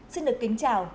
xin được kính chào